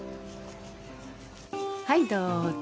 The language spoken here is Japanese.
はいどうぞ。